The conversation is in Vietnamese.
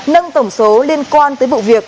nâng tổng số liên quan tới vụ việc